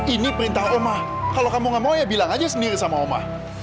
ini perintah omah kalau kamu gak mau ya bilang aja sendiri sama omah